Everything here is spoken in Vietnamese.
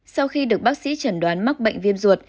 sau khi được bác sĩ chẩn đoán mắc bệnh viêm ruột